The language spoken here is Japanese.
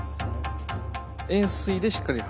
円錐でしっかり。